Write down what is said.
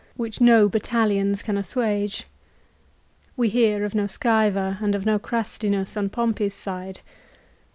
which no battalions can assuage. We hear of no Soseva and of no Crastinus on Pompey's side.